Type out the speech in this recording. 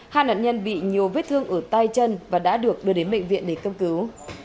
hai nạn nhân bị nhiều vết thương ở tay chân và đã được đưa đến bệnh viện để cấp cứu